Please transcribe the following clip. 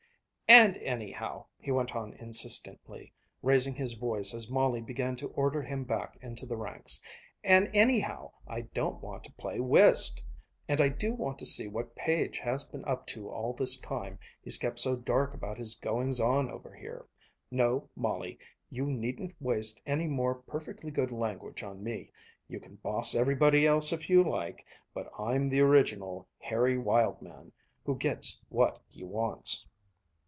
"And, anyhow," he went on insistently, raising his voice as Molly began to order him back into the ranks "And, anyhow, I don't want to play whist! And I do want to see what Page has been up to all this time he's kept so dark about his goings on over here. No, Molly, you needn't waste any more perfectly good language on me. You can boss everybody else if you like, but I'm the original, hairy wild man who gets what he wants."